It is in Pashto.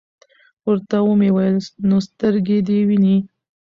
ورته ومي ویل : نو سترګي دي وینې ؟